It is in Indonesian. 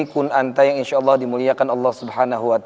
kunta yang insya allah dimuliakan allah swt